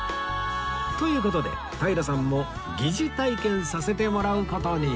という事で平さんも疑似体験させてもらう事に！